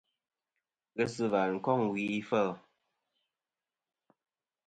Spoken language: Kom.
Ghesɨ̀và nɨn kôŋ wì ifêl.